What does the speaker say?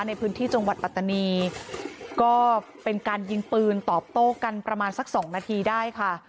ในพื้นที่จังหวัดปัตตานีก็เป็นการยิงปืนตอบโต้กันประมาณสักสองนาทีได้ค่ะ